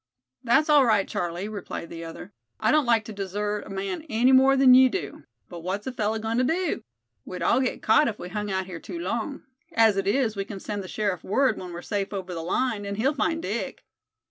"That's all right, Charlie," replied the other. "I don't like to desert a man any more than you do; but what's a fellow goin' to do? We'd all get caught if we hung out here too long. As it is, we can send the sheriff word when we're safe over the line, and he'll find Dick.